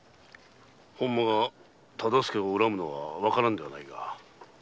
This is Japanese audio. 本間が忠相を恨むのは判らんではないが。